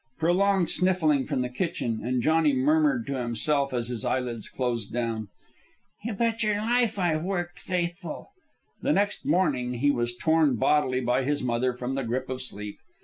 Prolonged sniffling from the kitchen, and Johnny murmured to himself as his eyelids closed down, "You betcher life I've worked faithful." The next morning he was torn bodily by his mother from the grip of sleep.